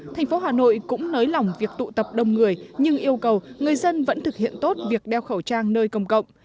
thành phố hà nội cũng nới lỏng việc tụ tập đông người nhưng yêu cầu người dân vẫn thực hiện tốt việc đeo khẩu trang nơi công cộng